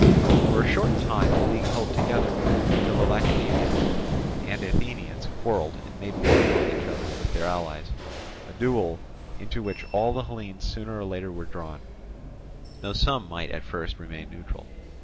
For a short time the league held together, till the Lacedaemonians and Athenians quarrelled and made war upon each other with their allies, a duel into which all the Hellenes sooner or later were drawn, though some might at first remain neutral.